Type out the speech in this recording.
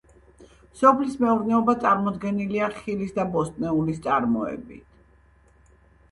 სოფლის მეურნეობა წარმოდგენილია ხილის და ბოსტნეულის წარმოებით.